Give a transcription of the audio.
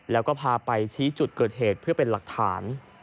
แล้วก็พาไปชี้จุดเกิดเหตุเพื่อเป็นหลักฐาน